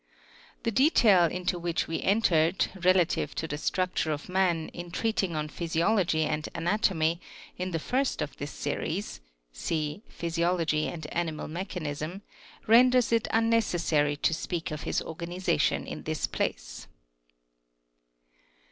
31 The detail into which we entered, relative to the structure of man, in treating on Physiology and Anatomy, in the first of this series, (See " Physiology and Animal Mechanism,") renders it unnecessary to speak of his organization in this place.